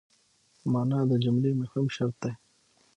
مانا د جملې مهم شرط دئ.